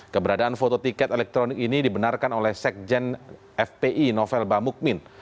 keberadaan foto tiket elektronik ini dibenarkan oleh sekjen fpi novel bamukmin